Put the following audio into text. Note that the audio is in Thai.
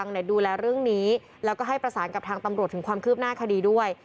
ดูแลเรื่องนี้แล้วก็ให้ประสานกับทางตำรวจถึงความคืบหน้าคดีด้วย